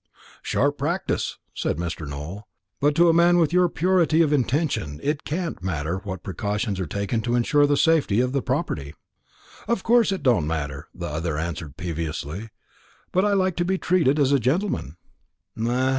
"Sharp practice," said Mr. Nowell; "but to a man with your purity of intention it can't matter what precautions are taken to insure the safety of the property." "Of course it don't matter," the other answered peevishly; "but I like to be treated as a gentleman."